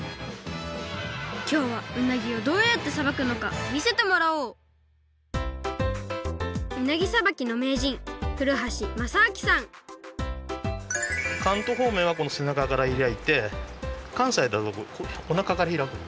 きょうはうなぎをどうやってさばくのかみせてもらおううなぎさばきのめいじん関東ほうめんはこの背中から開いて関西だとおなかから開くの。